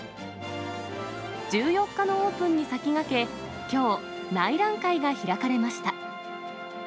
１４日のオープンに先駆け、きょう、内覧会が開かれました。